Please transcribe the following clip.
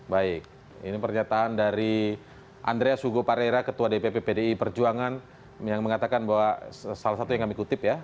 baik ini pernyataan dari andreas hugo parera ketua dpp pdi perjuangan yang mengatakan bahwa salah satu yang kami kutip ya